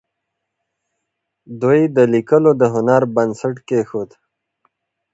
دوی د لیکلو د هنر بنسټ کېښود.